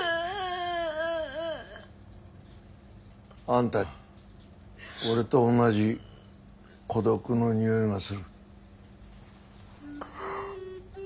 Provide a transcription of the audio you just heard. あんた俺と同じ孤独のにおいがする。